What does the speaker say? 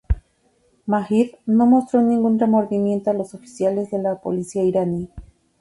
Majid no mostró ningún remordimiento a los oficiales de la policía iraní.